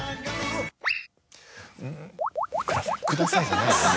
「ください」じゃないのよ